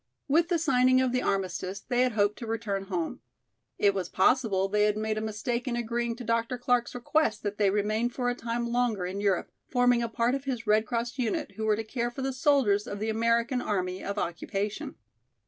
With the signing of the armistice they had hoped to return home. It was possible they had made a mistake in agreeing to Dr. Clark's request that they remain for a time longer in Europe, forming a part of his Red Cross unit, who were to care for the soldiers of the American Army of Occupation.